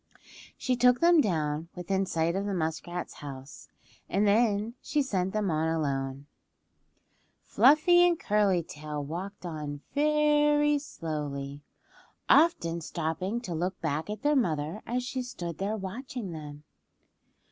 She took them down within sight of the muskrat's house, and then she sent them on alone. Fluffy and Curly Tail walked on very slowly, often stopping to look back at their mother as she stood there watching them.